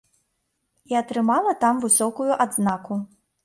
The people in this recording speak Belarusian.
І атрымала там высокую адзнаку.